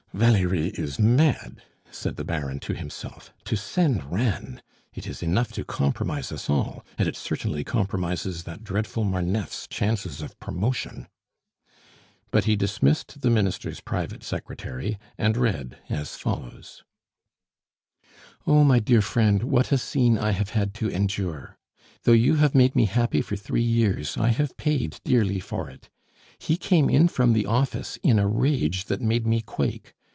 "Valerie is mad!" said the Baron to himself. "To send Reine! It is enough to compromise us all, and it certainly compromises that dreadful Marneffe's chances of promotion!" But he dismissed the minister's private secretary, and read as follows: "Oh, my dear friend, what a scene I have had to endure! Though you have made me happy for three years, I have paid dearly for it! He came in from the office in a rage that made me quake.